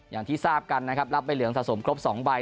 อย่างที่ทราบกันนะครับรับใบเหลืองสะสมครบ๒ใบ